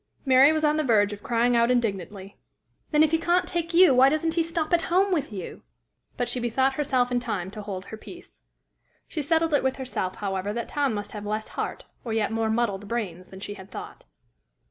Mary was on the verge of crying out indignantly, "Then, if he can't take you, why doesn't he stop at home with you?" but she bethought herself in time to hold her peace. She settled it with herself, however, that Tom must have less heart or yet more muddled brains than she had thought.